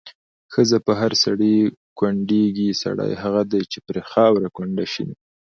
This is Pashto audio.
ښځه په هر سړي کونډېږي، سړی هغه دی چې پرې خاوره کونډه شېنه